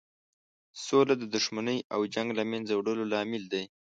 سوله د دښمنۍ او جنګ له مینځه وړلو لامل دی.